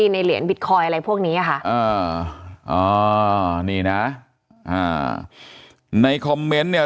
เหรียญบิตคอยน์อะไรพวกนี้ค่ะนี่นะในคอมเมนต์เนี่ย